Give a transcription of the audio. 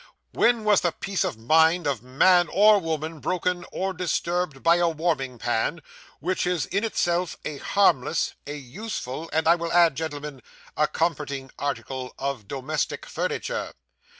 When was the peace of mind of man or woman broken or disturbed by a warming pan, which is in itself a harmless, a useful, and I will add, gentlemen, a comforting article of domestic furniture?